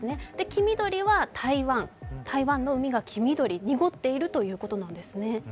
黄緑は台湾、台湾の海が黄緑、濁っているということなんですね。